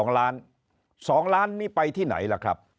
๒ล้าน๒ล้านนี่ไปที่ไหนล่ะครับ